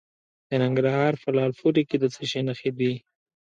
د ننګرهار په لعل پورې کې د څه شي نښې دي؟